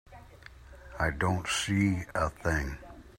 I don't see a thing.